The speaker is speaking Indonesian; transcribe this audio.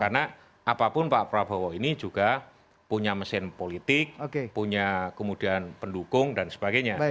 karena apapun pak prabowo ini juga punya mesin politik punya kemudian pendukung dan sebagainya